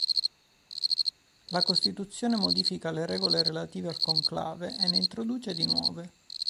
La costituzione modifica le regole relative al conclave e ne introduce di nuove.